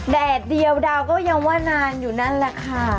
แดดเดียวดาวก็ยังว่านานอยู่นั่นแหละค่ะ